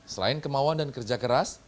selain kemauan dan kerja keras